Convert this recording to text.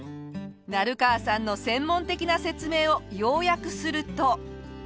成川さんの専門的な説明を要約すると。